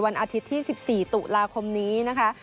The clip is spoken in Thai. อาทิตย์ที่๑๔ตุลาคมนี้นะคะ